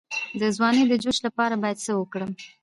د ځوانۍ د جوش لپاره باید څه وکړم؟